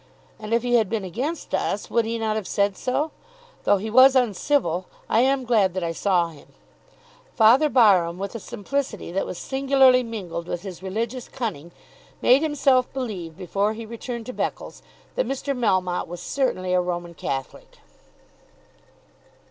And if he had been against us would he not have said so? Though he was uncivil, I am glad that I saw him." Father Barham, with a simplicity that was singularly mingled with his religious cunning, made himself believe before he returned to Beccles that Mr. Melmotte was certainly a Roman Catholic.